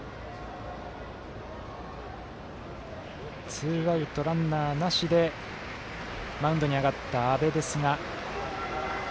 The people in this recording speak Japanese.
ツーアウト、ランナーなしでマウンドに上がった阿部ですが。